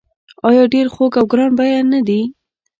آیا ډیر خوږ او ګران بیه نه دي؟